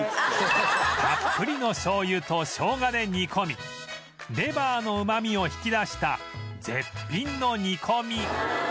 たっぷりの醤油と生姜で煮込みレバーのうまみを引き出した絶品の煮込